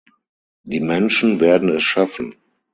Die Menschen werden es schaffen!